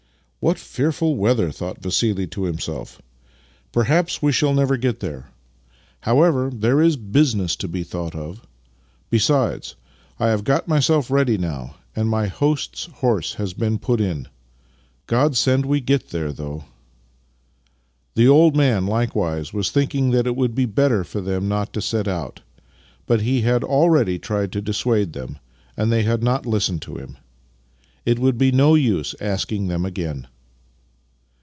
" What fearful weather! " thought Vassili to him self. " Perhaps we shall never get there. However, ' The local magistrate. Master and Man 31 there is business to be thought of. Besides, I have got myself ready now, and my host's horse has been put in. God send we get there, though! " The old man likewise was thinking that it would be better for them not to set out, but he had already tried to dissuade them, and they had not listened to him. It would be no use asking them again.